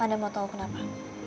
anda mau tau kenapa